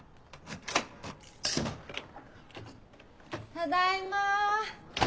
ただいま。